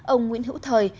ông nguyễn hữu thời